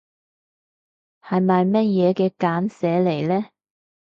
係咪咩嘢嘅簡寫嚟呢？